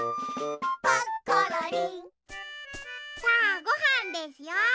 さあごはんですよ。